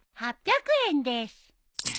８００円です。